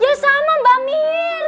ya sama mbak mir